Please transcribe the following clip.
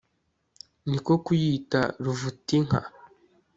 ni ko kuyita ruvutinka.